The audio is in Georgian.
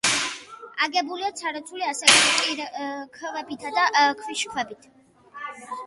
აგებულია ცარცული ასაკის კირქვებითა და ქვიშაქვებით.